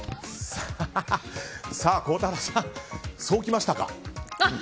孝太郎さん、そうきましたか。